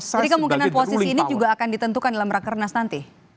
jadi kemungkinan posisi ini juga akan ditentukan dalam rakernas nanti